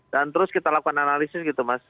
dan terus kita lakukan analisis gitu mas